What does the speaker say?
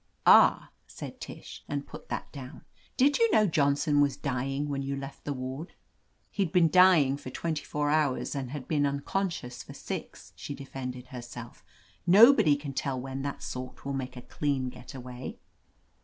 "Ah !" said Tish, and put that down. "Did you know Johnson was dying when you left the ward ?" "He'd been dying for twenty four hours and had been unconscious for six," she de fended herself. "Nobody can tell when that sort will make a clean get away."